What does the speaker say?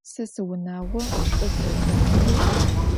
Se siunağo ş'u selheğu.